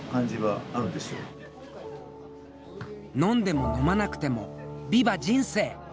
飲んでも飲まなくてもビバ人生！